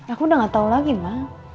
aku udah gak tau lagi mah